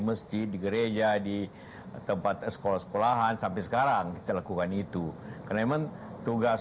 masjid di gereja di tempat sekolah sekolahan sampai sekarang kita lakukan itu karena memang tugas